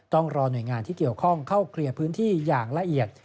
ต้องรอหน่วยงานที่เกี่ยวข้องเข้าเคลียร์พื้นที่อย่างละเอียด